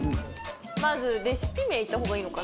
まずレシピ名言った方がいいのかな？